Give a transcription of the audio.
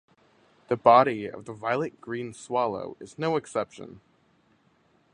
The body of the violet-green swallow is no exception.